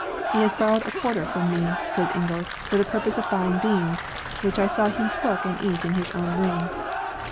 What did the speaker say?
"He has borrowed a quarter from me," says Inglis, "for the purpose of buying beans, which I saw him cook and eat in his own room."